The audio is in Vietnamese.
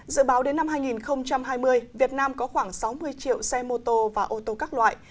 dự báo đến năm hai nghìn hai mươi việt nam có khoảng sáu mươi triệu xe mô tô và ô tô các loại